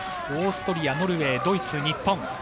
オーストリア、ノルウェードイツ、日本。